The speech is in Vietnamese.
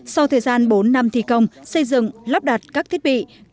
sau thời gian bốn năm thi công xây dựng lắp đặt các thiết bị